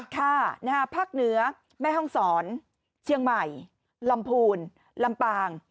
ค่ะนะฮะภาคเหนือแม่ห้องสอนเชียงใหม่ลำพูนลำปาง